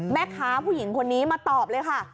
แม่ค้าผู้หญิงคนนี้มาตอบเลยค่ะ